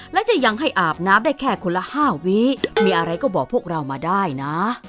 และจะยังให้อาบน้ำได้แค่คนละ๕วิมีอะไรก็บอกพวกเรามาได้นะ